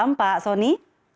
selamat malam pak sony